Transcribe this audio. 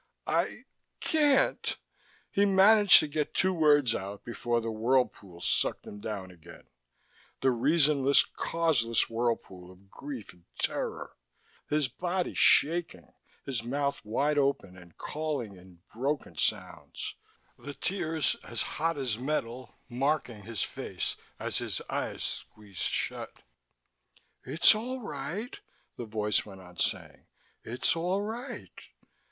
"... I ... can't...." He managed to get two words out before the whirlpool sucked him down again, the reasonless, causeless whirlpool of grief and terror, his body shaking, his mouth wide open and calling in broken sounds, the tears as hot as metal marking his face as his eyes squeezed shut. "It's all right," the voice went on saying. "It's all right."